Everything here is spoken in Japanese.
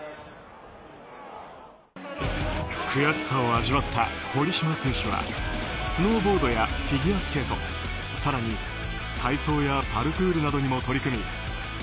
悔しさを味わった、堀島選手はスノーボードやフィギュアスケート更に、体操やパルクールなどにも取り組み